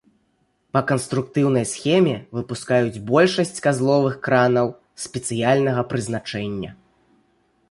Па канструктыўнай схеме выпускаюць большасць казловых кранаў спецыяльнага прызначэння.